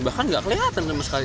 bahkan nggak kelihatan sama sekali